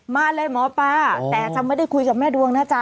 มาเลยหมอปลาแต่จะไม่ได้คุยกับแม่ดวงนะจ๊